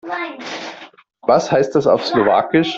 Was heißt das auf Slowakisch?